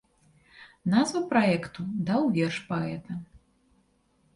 Назву праекту даў верш паэта.